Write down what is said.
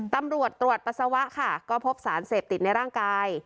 ตำรวจตรวจปัสสาวะค่ะก็พบสารเสพติดในร่างกาย